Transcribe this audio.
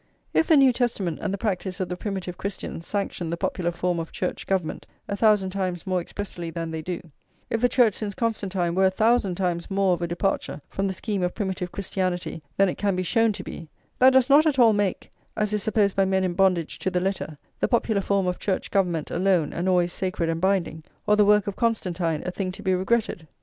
If the New Testament and the practice of the primitive Christians sanctioned the popular form of church government a thousand times more expressly than they do, if the Church since Constantine were a thousand times more of a departure from the scheme of primitive Christianity than it can be shown to be, that does not at all make, as is supposed by men in bondage to the letter, the popular form of church government alone and always sacred and binding, or the work of Constantine a thing to be regretted.